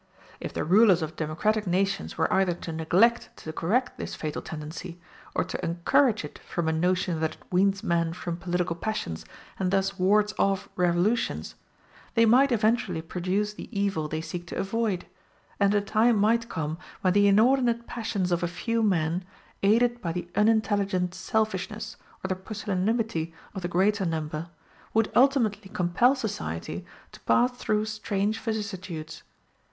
If the rulers of democratic nations were either to neglect to correct this fatal tendency, or to encourage it from a notion that it weans men from political passions and thus wards off revolutions, they might eventually produce the evil they seek to avoid, and a time might come when the inordinate passions of a few men, aided by the unintelligent selfishness or the pusillanimity of the greater number, would ultimately compel society to pass through strange vicissitudes.